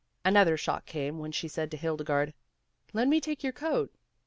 Another shock came when she said to Hilde garde, "Let me take your coat."